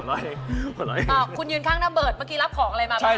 คุณยืนข้างหน้าเบิดเมื่อกี้รับของอะไรมาบ้าง